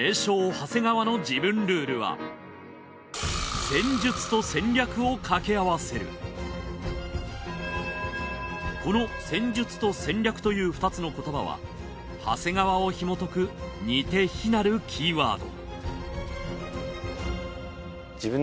長谷川の自分ルールはこの戦術と戦略という２つの言葉は長谷川をひも解く似て非なるキーワード